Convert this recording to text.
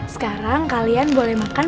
sekarang kalian boleh makan